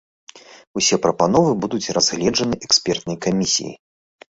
Усе прапановы будуць разгледжаныя экспертнай камісіяй.